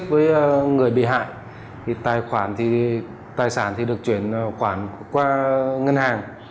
với người bị hại tài sản được chuyển quản qua ngân hàng